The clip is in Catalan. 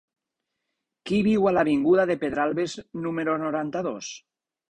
Qui viu a l'avinguda de Pedralbes número noranta-dos?